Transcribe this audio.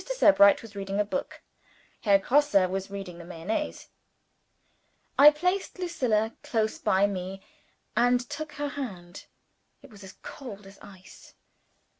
Sebright was reading a book. Herr Grosse was reading the Mayonnaise. I placed Lucilla close by me, and took her hand. It was as cold as ice.